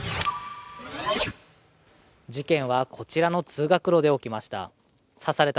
事件はこちらの通学路で起きました。